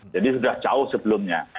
jadi sudah jauh sebelumnya